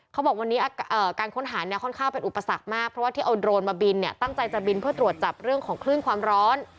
เขาบอกวันนี้การค้นหาเนี่ยค่อนข้างเป็นอุปสรรคมากเพราะว่าที่เอาโดรนมาบินเนี่ยตั้งใจจะบินเพื่อตรวจจับเรื่องของคลื่นความร้อน